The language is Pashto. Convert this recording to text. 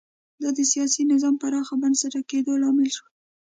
دا د سیاسي نظام پراخ بنسټه کېدو لامل شول